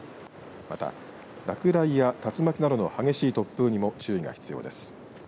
また、落雷や竜巻などの激しい突風にも注意が必要です。